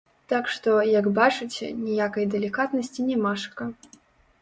Так што, як бачыце, ніякай далікатнасці нямашака.